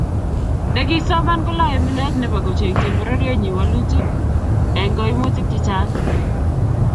Nekisoman kolae milet nebo kochengchi pororienyi walutiet eng koimutik chechang